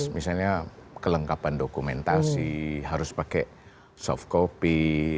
misalnya kelengkapan dokumentasi harus pakai soft copy